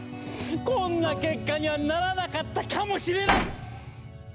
こんな結果にはならなかったかもしれない！